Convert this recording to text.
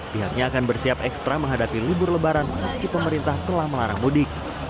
pihaknya akan bersiap ekstra menghadapi libur lebaran meski pemerintah telah melarang mudik